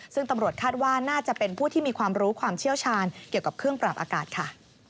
ซึ่งตำรวจคาดว่าน่าจะเป็นผู้ที่มีความรู้ความเชี่ยวชาญเกี่ยวกับเครื่องปรับอากาศค่ะ